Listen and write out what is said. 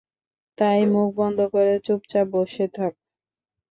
তাই মুখ বন্ধ করে চুপচাপ বসে থাক।